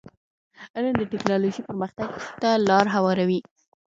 علم د ټکنالوژی پرمختګ ته لار هواروي.